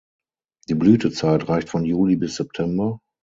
Die Blütezeit reicht von Juli bis September.